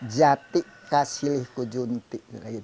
jati kasih lihku junti